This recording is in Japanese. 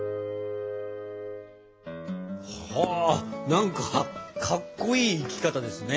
何かかっこいい生き方ですね。